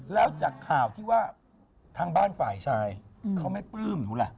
แล้วจากข่าวที่ว่าทางบ้านฝ่ายชายเขาไม่ปลื้มหนูล่ะ